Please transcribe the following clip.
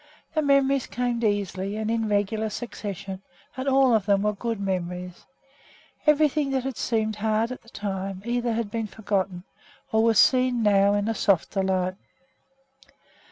The memories came easily and in regular succession, and all of them were good memories. Everything that had seemed hard at the time either had been forgotten or was seen now in a softer light.